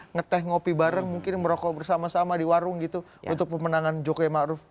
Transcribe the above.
ngeteh ngopi bareng mungkin merokok bersama sama di warung gitu untuk pemenangan jokowi ma'ruf